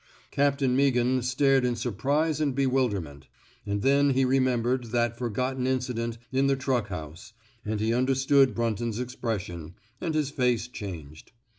Captain Meaghan stared in sur prise and bewilderment. And then he re membered that forgotten incident in the truck house, and he understood Brunton ^s expression, and his face changed.